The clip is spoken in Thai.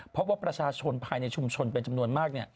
พบว่าประชาชนภายในชุมชนเป็นจำนวนมาก